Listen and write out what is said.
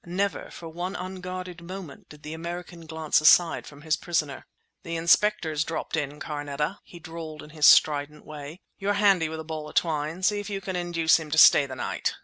Never for one unguarded moment did the American glance aside from his prisoner. "The Inspector's dropped in, Carneta!" he drawled in his strident way. "You're handy with a ball of twine; see if you can induce him to stay the night!"